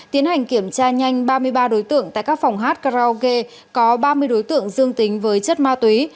tiến hành kiểm tra nhanh ba mươi ba đối tượng tại các phòng hát karaoke có ba mươi đối tượng dương tính với chất ma túy